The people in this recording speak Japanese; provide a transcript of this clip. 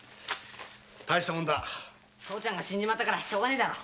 父ちゃんが死んじまったからしょうがねえだろ。